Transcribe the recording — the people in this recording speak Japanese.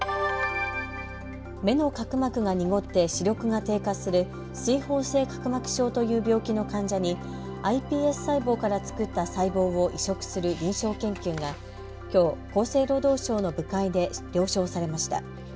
目の角膜が濁って視力が低下する水ほう性角膜症という病気の患者にｉＰＳ細胞から作った細胞を移植する臨床研究がきょう、厚生労働省の部会で了承されました。